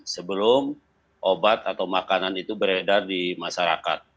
sebelum obat atau makanan itu beredar di masyarakat